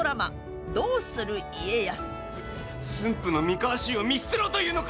駿府の三河衆を見捨てろというのか！